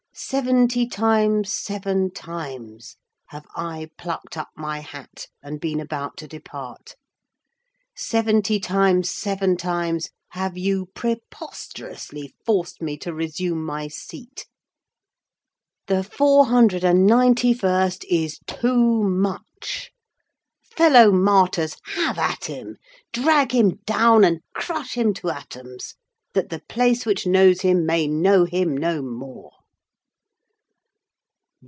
Seventy times seven times have I plucked up my hat and been about to depart—Seventy times seven times have you preposterously forced me to resume my seat. The four hundred and ninety first is too much. Fellow martyrs, have at him! Drag him down, and crush him to atoms, that the place which knows him may know him no more!"